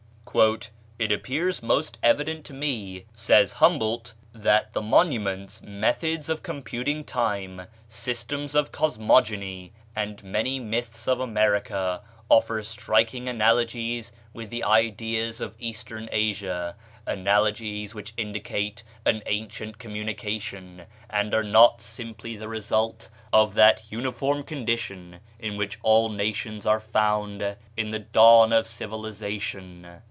"It appears most evident to me," says Humboldt, "that the monuments, methods of computing time, systems of cosmogony, and many myths of America, offer striking analogies with the ideas of Eastern Asia analogies which indicate an ancient communication, and are not simply the result of that uniform condition in which all nations are found in the dawn of civilization."